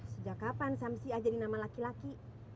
sejak kapan samsi ajarin nama laki laki